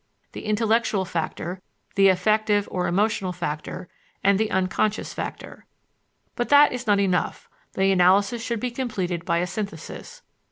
the intellectual factor, the affective or emotional factor, and the unconscious factor. But that is not enough; the analysis should be completed by a synthesis.